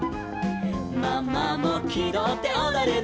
「ママもきどっておどるの」